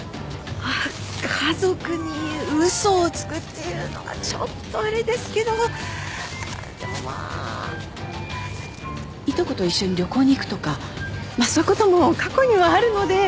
あっ家族に嘘をつくっていうのがちょっとあれですけどでもまあいとこと一緒に旅行に行くとかまあそういうことも過去にはあるので。